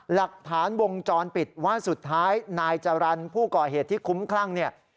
หลักฐานวงจรปิดว่าสุดท้ายนายจรรย์ผู้ก่อเหตุที่คุ้มคลั่งเนี่ย